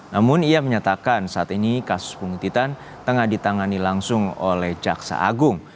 namun ia menyatakan saat ini kasus penguntitan tengah ditangani langsung oleh jaksa agung